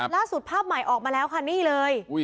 ล่าสุดภาพใหม่ออกมาแล้วค่ะนี่เลย